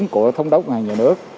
của thống đốc ngành nhà nước